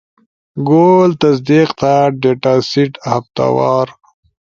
گول تصدیق تھا، ڈیٹا سیٹہفتہ وار